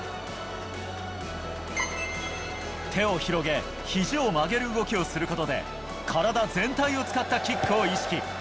手を広げ、ひじを曲げる動きをすることで、体全体を使ったキックを意識。